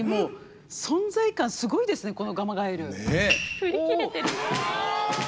振り切れてる。